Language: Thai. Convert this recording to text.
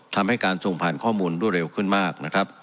ทำให้การส่งผ่านข้อมูลด้วยเร็วขึ้นมาก